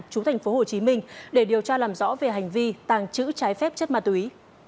chú thành phố hồ chí minh để điều tra làm rõ về hành vi tàng trữ trái phép chất ma túy